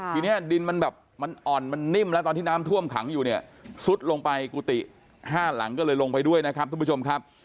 ทีนี้ดินมันแบบมันอ่อนมันนิ่มแล้วตอนที่น้ำท่วมขังอยู่เนี่ยซุดลงไปกุฏิห้าหลังก็เลยลงไปด้วยนะครับทุกผู้ชมครับ